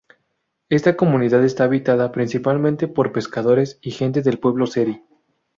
Esta comunidad está habitada principalmente por pescadores y gente del pueblo seri.